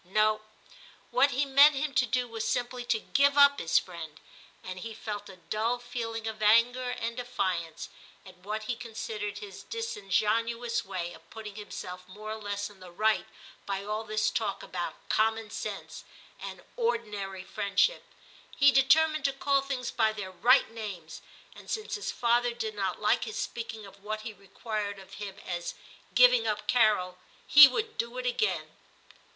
No. What he meant him to do was simply to give up his friend, and he felt a dull feeling of anger X TIM 219 and defiance at what he considered his dis ingenuous way of putting himself more or less in the right by all this talk about 'common sense' and 'ordinary friendship/ He determined to call things by their right names, and since his father did not like his speaking of what he required of him as 'giving up Carol/ he would do it again.